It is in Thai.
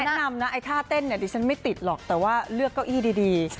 แนะนำนะไอ้ท่าเต้นเนี่ยดิฉันไม่ติดหรอกแต่ว่าเลือกเก้าอี้ดี